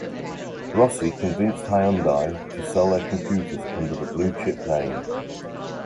Rossi convinced Hyundai to sell their computers under the Blue Chip name.